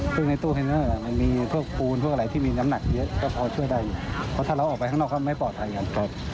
เป็นในตู้ที่ได้เหมือนกัน